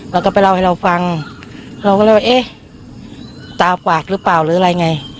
เราก็ไปเล่าให้เราฟังเราก็เลยว่าเอ๊ะตาปากหรือเปล่าหรืออะไรไง